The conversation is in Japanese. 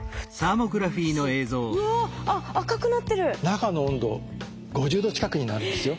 中の温度５０℃近くになるんですよ。